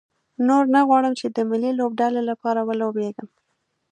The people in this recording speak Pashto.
نور نه غواړم چې د ملي لوبډلې لپاره ولوبېږم.